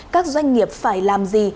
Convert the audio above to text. các doanh nghiệp phải làm gì